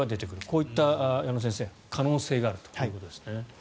こういった可能性があるということですね。